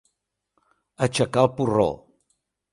Aixecar el porró.